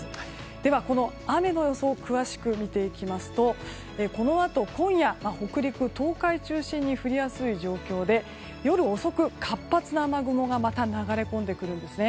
では、雨の予想を詳しく見ていきますとこのあと、今夜北陸・東海中心に降りやすい状況で夜遅く、活発な雨雲がまた流れ込んでくるんです。